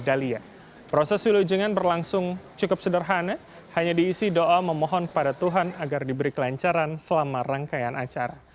dari ujungan berlangsung cukup sederhana hanya diisi doa memohon kepada tuhan agar diberi kelancaran selama rangkaian acara